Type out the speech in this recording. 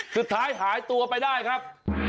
สุดท้ายหายตัวไปได้ครับ